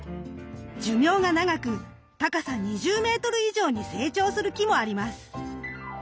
寿命が長く高さ２０メートル以上に成長する木もあります。